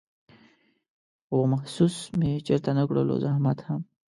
خو محسوس مې چېرته نه کړلو زحمت هم